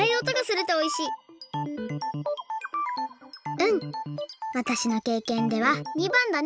うんわたしのけいけんでは②ばんだね。